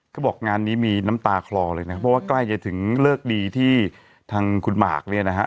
ก็บอกงานนี้มีน้ำตาคลอเลยนะเพราะว่าใกล้จะถึงเลิกดีที่ทางคุณหมากเนี่ยนะฮะ